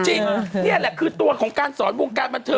นี่แหละคือตัวของการสอนวงการบันเทิง